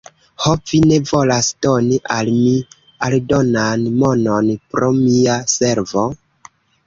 Ho, vi ne volas doni al mi aldonan monon pro mia servo?